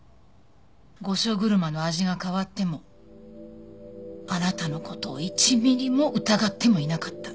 御所車の味が変わってもあなたの事を１ミリも疑ってもいなかった。